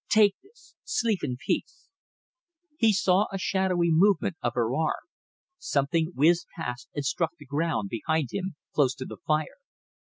Take this! Sleep in peace!" He saw a shadowy movement of her arm. Something whizzed past and struck the ground behind him, close to the fire.